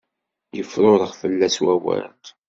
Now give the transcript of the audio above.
Yefrurex fell-as wawal.